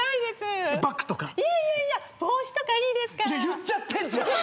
言っちゃってんじゃん！